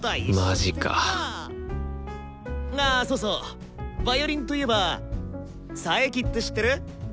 マジかあそうそうヴァイオリンといえば佐伯って知ってる？